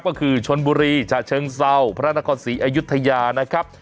ก็คือชนบุรีฉะเชิงเศร้าพระนครศรีอยุธยานะครับ